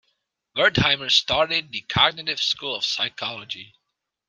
Wertheimer started the cognitive school of psychology.